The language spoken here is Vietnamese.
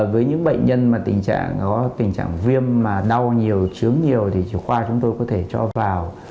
với những bệnh nhân có tình trạng viêm mà đau nhiều chướng nhiều thì khoa chúng tôi có thể cho vào